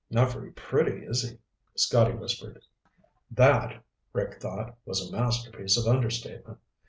"Not very pretty, is he?" Scotty whispered. That, Rick thought, was a masterpiece of understatement.